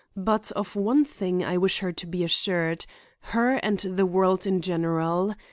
But of one thing I wish her to be assured, her and the world in general.